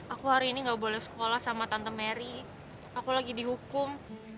aku hari ini gak boleh sekolah sama tante mary aku lagi dihukum